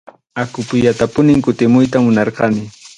Aqupiyatapunim kutimuyta munarqani.